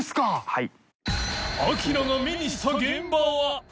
はい。